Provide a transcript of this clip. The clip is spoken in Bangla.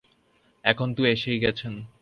এখন তো এসেই গেছেন।